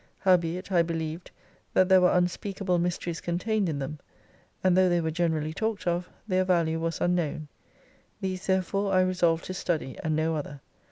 Howbeit I believed that there were unspeak able mysteries contained in them, and tho' they were generally talked of their value was unknown. These therefore I resolved to study, and no other.